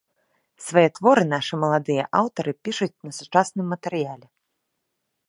Свае творы нашы маладыя аўтары пішуць на сучасным матэрыяле.